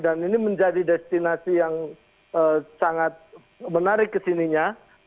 dan ini menjadi destinasi yang sangat menarik kesininya